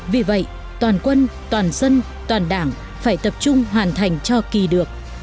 vì vậy toàn quân toàn dân toàn đảng phải tập trung hoàn thành cho kỳ được